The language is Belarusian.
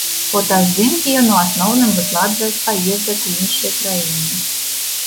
Фотаздымкі ён у асноўным выкладвае з паездак у іншыя краіны.